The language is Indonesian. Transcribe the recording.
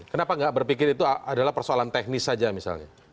kenapa nggak berpikir itu adalah persoalan teknis saja misalnya